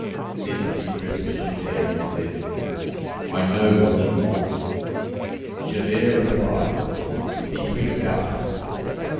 Then he addressed Javert, and said:— "I know what you want." Javert replied:— "Be quick about it!"